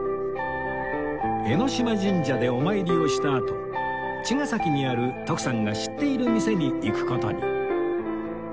江島神社でお参りをしたあと茅ヶ崎にある徳さんが知っている店に行く事に